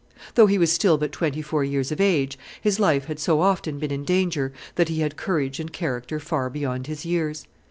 Though he was still but twenty four years of age his life had so often been in danger that he had courage and character far beyond his years.